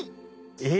え！？